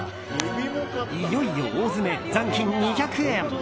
いよいよ大詰め残金２００円。